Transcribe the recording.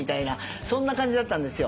そんな感じだったんですよ。